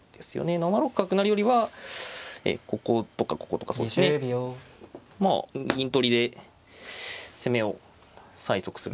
７六角成よりはこことかこことかそうですねまあ銀取りで攻めを催促する。